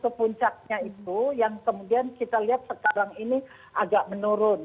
ke puncaknya itu yang kemudian kita lihat sekarang ini agak menurun